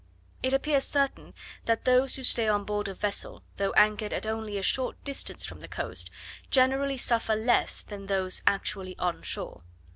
It appears certain that those who stay on board a vessel, though anchored at only a short distance from the coast, generally suffer less than those actually on shore.